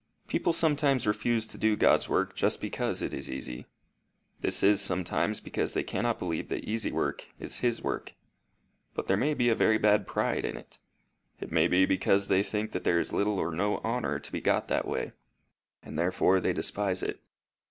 People sometimes refuse to do God's work just because it is easy. This is, sometimes, because they cannot believe that easy work is his work; but there may be a very bad pride in it: it may be because they think that there is little or no honour to be got in that way; and therefore they despise it.